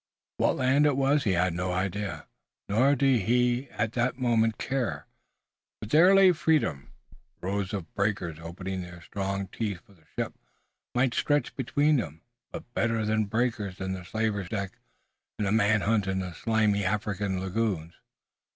What land it was he had no idea, nor did he at the moment care, but there lay freedom. Rows of breakers opening their strong teeth for the ship might stretch between, but better the breakers than the slaver's deck and the man hunt in the slimy African lagoons.